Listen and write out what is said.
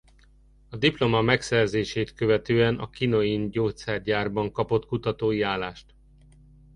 A diploma megszerzését követően a Chinoin Gyógyszergyárban kapott kutatói állást.